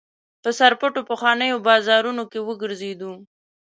په سرپټو پخوانیو بازارونو کې وګرځېدو.